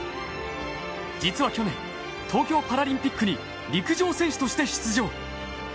実は去年、東京パラリンピックに陸上選手として出場。